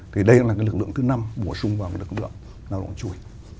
thì đây cũng là cái lực lượng thứ năm bổ sung vào cái lực lượng lao động chuỗi